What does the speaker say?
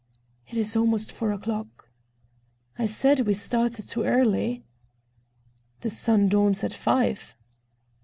"It is almost four o'clock." "I said we started too early." "The sun dawns at five."